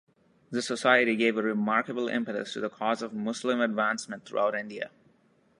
The Society gave a remarkable impetus to the cause of Muslim advancement throughout India.